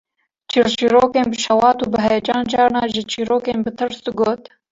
Çîrçîrokên bi şewat û bi heyecan, carna jî çîrokên bi tirs digot